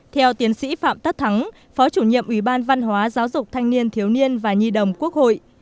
theo tiến sĩ phạm tất thắng phó chủ nhiệm ủy ban văn hóa giáo dục thanh niên thiếu niên và nhi đồng quốc hội